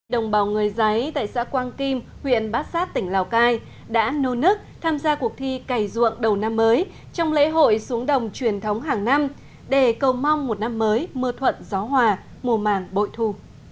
đồng bào người giấy tại xã quang kim huyện bát sát tỉnh lào cai đã nô nức tham gia cuộc thi cày ruộng đầu năm mới trong lễ hội xuống đồng truyền thống hàng năm để cầu mong một năm mới mưa thuận gió hòa mùa màng bội thu